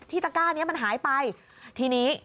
ตะก้านี้มันหายไปทีนี้